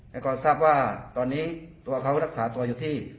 แล้วก็ทราบว่าตอนนี้ตัวเขารักษาตัวอยู่ที่